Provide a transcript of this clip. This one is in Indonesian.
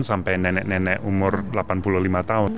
sampai nenek nenek umur delapan puluh lima tahun